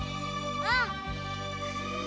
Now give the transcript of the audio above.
うん！